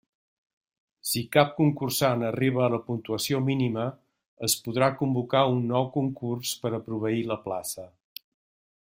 Si cap concursant arriba a la puntuació mínima, es podrà convocar un nou concurs per a proveir la plaça.